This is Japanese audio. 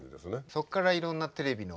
そこからいろんなテレビの番組も。